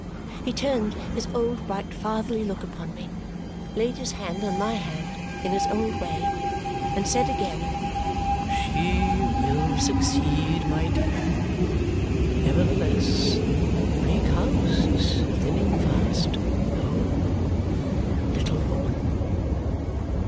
He turned his old bright fatherly look upon me, laid his hand on my hand in his old way, and said again, "She will succeed, my dear. Nevertheless, Bleak House is thinning fast, O little woman!"